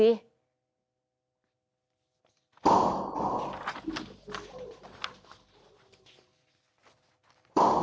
เดี๋ยวดูซิ